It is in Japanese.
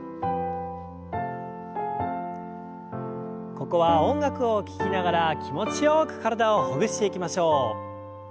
ここは音楽を聞きながら気持ちよく体をほぐしていきましょう。